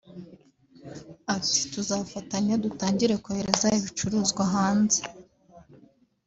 Ati “Tuzafatanya dutangire kohereza ibicuruzwa hanze